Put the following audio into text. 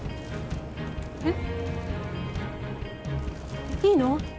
えっ？いいの？